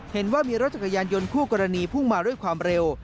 เห็นว่ามีรถจักรยานยนต์คู่กรณีพุ่งมาด้วยความเร็ว